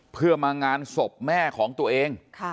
เพื่อมางานศพแม่ของตัวเอง